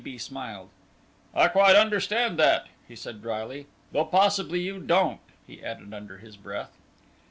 T. B. smiled. "I quite understand that," he said, drily, "though possibly you don't," he added under his breath.